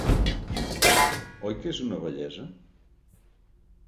Oi que és una bellesa?